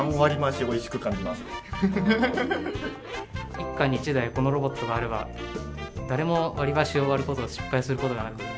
一家に一台このロボットがあれば誰も割り箸を割ることを失敗することがなく